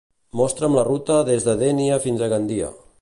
Mostra'm la ruta des de Dénia fins a Gandia